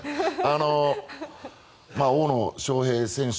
大野将平選手